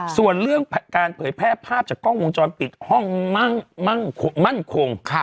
ส่วนเรื่องการเผยแพร่ภาพจากกล้องวงจรปิดห้องมั่นคง